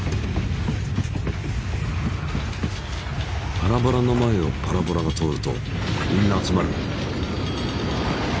パラボラの前をパラボラが通るとみんな集まる。